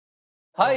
はい。